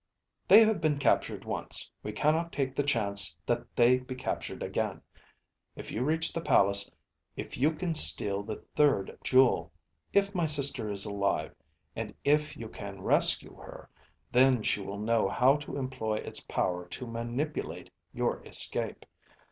"They have been captured once; we cannot take the chance that they be captured again. If you reach the palace, if you can steal the third jewel, if my sister is alive, and if you can rescue her, then she will know how to employ its power to manipulate your escape.